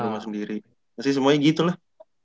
masih semuanya gitu lah